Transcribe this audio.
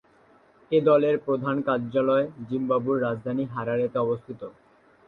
এই দলের প্রধান কার্যালয় জিম্বাবুয়ের রাজধানী হারারেতে অবস্থিত।